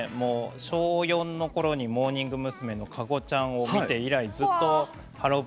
小４のころにモーニング娘。の加護ちゃんを見て以来ずっとハロー！